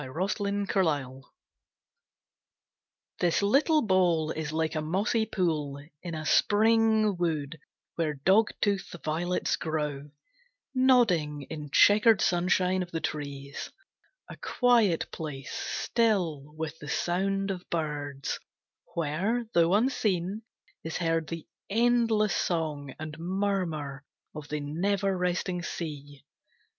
The Green Bowl This little bowl is like a mossy pool In a Spring wood, where dogtooth violets grow Nodding in chequered sunshine of the trees; A quiet place, still, with the sound of birds, Where, though unseen, is heard the endless song And murmur of the never resting sea.